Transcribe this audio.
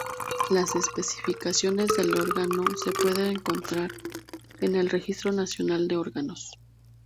Las especificaciones del órgano se puede encontrar en el Registro Nacional de Órganos.